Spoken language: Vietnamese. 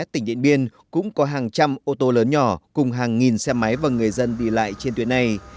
tỉnh điện biên cũng có hàng trăm ô tô lớn nhỏ cùng hàng nghìn xe máy và người dân đi lại trên tuyến này